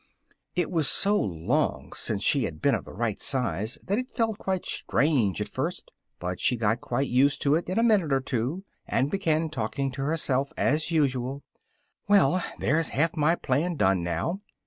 It was so long since she had been of the right size that it felt quite strange at first, but she got quite used to it in a minute or two, and began talking to herself as usual: "well! there's half my plan done now!